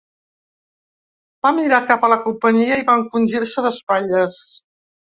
Va mirar cap a la companyia i va encongir-se d'espatlles.